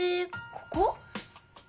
ここ？